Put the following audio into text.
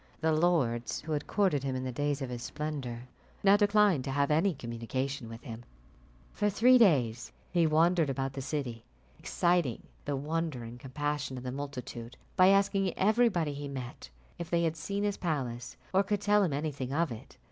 The lords who had courted him in the days of his splendour, now declined to have any communication with him. For three days he wandered about the city, exciting the wonder and compassion of the multitude by asking everybody he met if they had seen his palace, or could tell him anything of it.